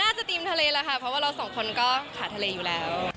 ติมทะเลแล้วค่ะเพราะว่าเราสองคนก็ขาดทะเลอยู่แล้ว